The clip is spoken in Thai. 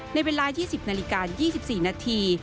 ในเวลา๒๐นาฬิกา๒๔นาที